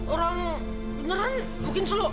orang beneran mungkin selu